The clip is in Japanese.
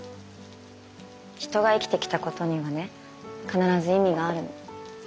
人が生きてきたことにはね必ず意味があるの。